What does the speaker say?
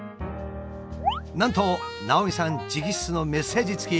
なんと直見さん直筆のメッセージ付き。